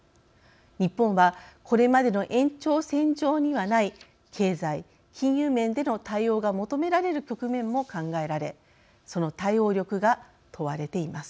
日本はこれまでの延長線上にはない経済・金融面での対応が求められる局面も考えられその対応力が問われています。